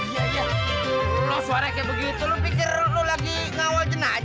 iya iya lo suara kayak begitu lo pikir lo lagi ngawal jenajah